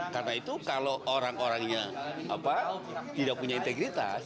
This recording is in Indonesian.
karena itu kalau orang orangnya tidak punya integritas